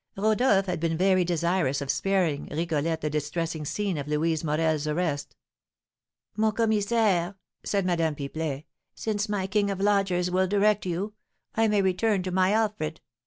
Rodolph had been very desirous of sparing Rigolette the distressing scene of Louise Morel's arrest. "Mon commissaire," said Madame Pipelet, "since my king of lodgers will direct you, I may return to my Alfred.